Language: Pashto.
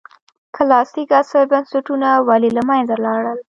کلاسیک عصر بنسټونه ولې له منځه لاړل.